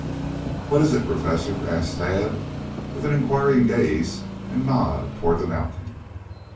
"What is it, Professor?" asked Tad, with an inquiring gaze and nod toward the mountain.